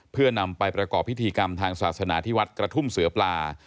เพื่อนำไปประกอบพิธีกรรมทางศาสนาที่วัดกระทุ่มเสือปลา